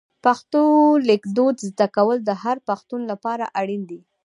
پښتو لیکدود زده کول د هر پښتون لپاره اړین دي.